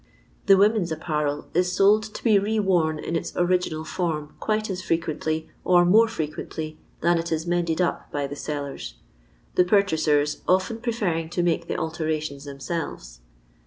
Ths WovitfCs Aj>parel is sold to be re wom in its original form quite as frequently, or more fre quently, than it is mended up by the sellers ; the purchasers often preferring to make the alterations themselves.